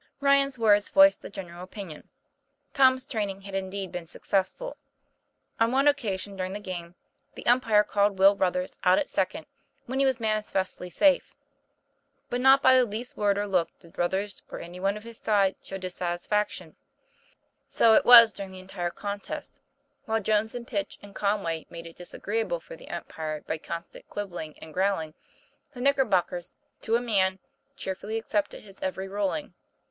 Ryan's words voiced the general opinion. Tom's training had indeed been successful. On one occasion during the game, the umpire called Will Ruthers out at second when he was manifestly safe; but not by the least word or look did Ruthers or any one of his side show dissatisfaction. So it TOM PLAYFAIR. 217 was during the entire contest, while Jones and Pitch and Conway made it disagreeable for the umpire by constant quibbling and growling, the Knickerbock ers, to a man, cheerfully accepted his every ruling.